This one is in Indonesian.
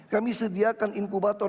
kami sediakan inkubator